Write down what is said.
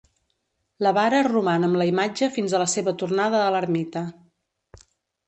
La vara roman amb la imatge fins a la seva tornada a l'ermita.